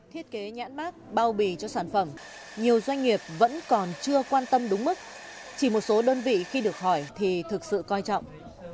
thiết kế nhãn mát bao bì cho sản phẩm nhiều doanh nghiệp vẫn còn chưa quan tâm đúng mức chỉ một số đơn vị khi được hỏi thì thực sự coi trọng